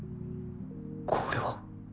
これは